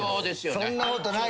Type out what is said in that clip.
そんなことない。